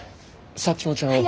サッチモちゃんを。